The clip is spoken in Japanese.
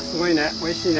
おいしいね。